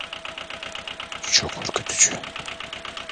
Çok ürkütücü.